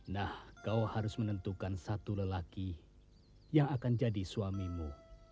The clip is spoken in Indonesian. nah kau harus menentukan satu lelaki yang akan jadi suamimu